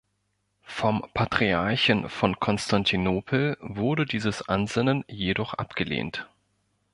Vom Patriarchen von Konstantinopel wurde dieses Ansinnen jedoch abgelehnt.